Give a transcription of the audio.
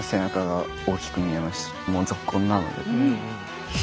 もうぞっこんなので。